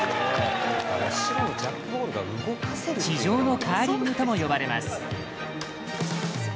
「地上のカーリング」とも呼ばれます。